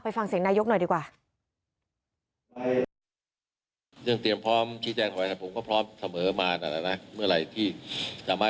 ฟังเสียงนายกหน่อยดีกว่า